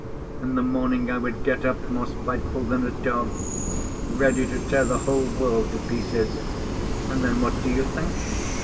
In the morning I would get up more spiteful than a dog, ready to tear the whole world to pieces. And then what do you think?